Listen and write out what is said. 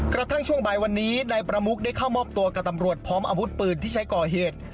กระทั่งช่วงบ่ายวันนี้นายประมุกได้เข้ามอบตัวกับตำรวจพร้อมอาวุธปืนที่ใช้ก่อเหตุ